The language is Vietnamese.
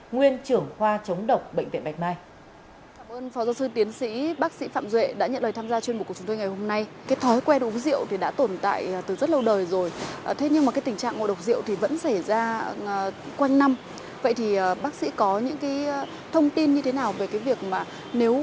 nguyên trưởng khoa chống độc bệnh viện bạch mai